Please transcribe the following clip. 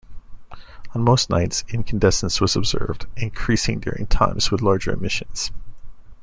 On most nights incandescence was observed, increasing during times with larger emissions.